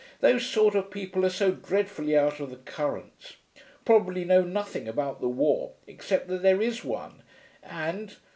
Those sort of people are so dreadfully out of the currents; probably know nothing about the war, except that there is one, and....'